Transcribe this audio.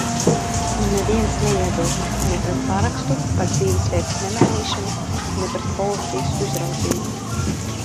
Un neviens neiebilst ne pret parakstu par dzīvesvietas nemainīšanu, ne pret policijas uzraudzību.